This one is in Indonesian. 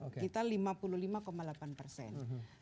kita lima puluh lima delapan persen